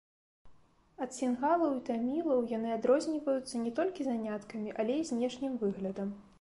Ад сінгалаў і тамілаў яны адрозніваюцца не толькі заняткамі, але і знешнім выглядам.